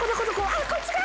あっこっちか！